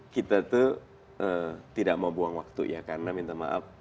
kita tuh tidak mau buang waktu ya karena minta maaf